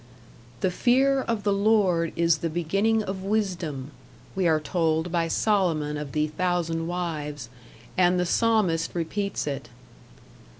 "The fear of the Lord is the beginning of wisdom," we are told by Solomon of the thousand wives; and the Psalmist repeats it.